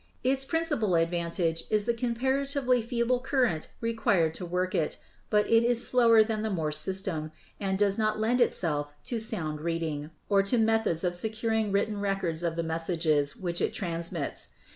Its principal advantage is the comparatively feeble current required to work it; but it is slower than the Morse system, and does not lend itself to sound reading, or to methods of secur ing written records of the messages which it transmits.